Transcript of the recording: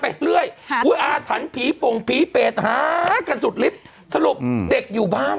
ไปเรื่อยอุ๊ยอาถรรพ์ผีโป่งผีเปรตหากันสุดลิฟท์สรุปอืมเด็กอยู่บ้าง